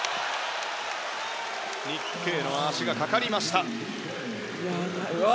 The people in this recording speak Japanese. ニック・ケイの足がかかりました。